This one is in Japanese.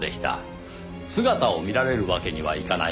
姿を見られるわけにはいかない